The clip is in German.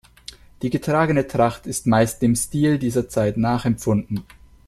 Die getragene Tracht ist meist dem Stil dieser Zeit nachempfunden.